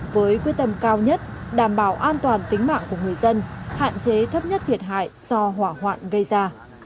với quyết tâm cao nhất đảm bảo an toàn tính mạng của người dân hạn chế thấp nhất thiệt hại do hỏa hoạn gây ra